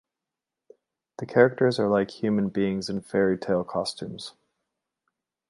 The characters are like human beings in fairy tale costumes.